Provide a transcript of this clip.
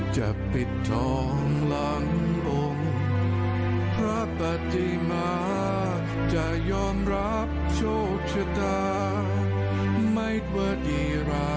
ขอให้ท่านไปสู่พวกผมที่ดี